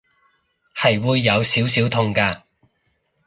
係會有少少痛㗎